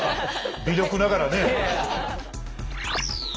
微力ながらね。